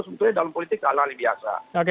sebetulnya dalam politik ala ali biasa